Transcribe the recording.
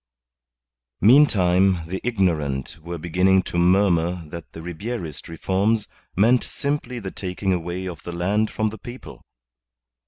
Meantime, the ignorant were beginning to murmur that the Ribierist reforms meant simply the taking away of the land from the people.